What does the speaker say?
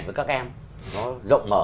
với các em nó rộng mở